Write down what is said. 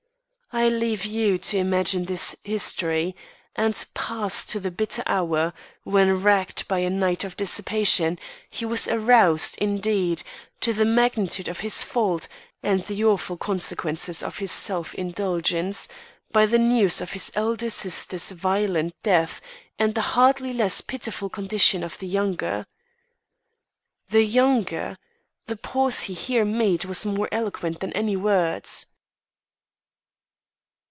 I leave you to imagine this history, and pass to the bitter hour when, racked by a night of dissipation, he was aroused, indeed, to the magnitude of his fault and the awful consequences of his self indulgence, by the news of his elder sister's violent death and the hardly less pitiful condition of the younger. "The younger!" The pause he here made was more eloquent than any words.